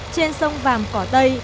trên sông vàm cỏ tây